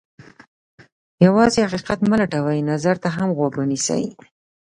یوازې حقیقت مه لټوئ، نظر ته هم غوږ ونیسئ.